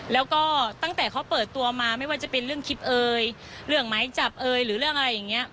แล้วก็ตั้งแต่เขาเปิดตัวมาไม่ว่าจะเป็นเรื่องคลิปเอ่ยเรื่องไม้จับเอ่ยหรือเรื่องอะไรอย่างนี้